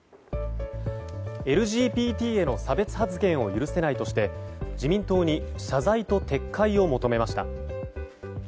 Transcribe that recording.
ＬＧＢＴへの差別発言を許せないとして自民党に謝罪と撤回を求めました。